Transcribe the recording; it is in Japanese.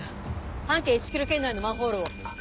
半径１ｋｍ圏内のマンホールを。